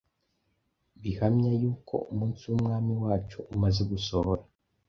bihamya yuko umunsi w’Umwami wacu umaze gusohora.